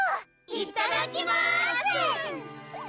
いただきます！